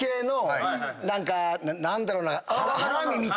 何か何だろうな。